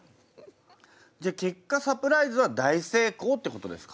じゃあ結果サプライズは大成功ってことですか？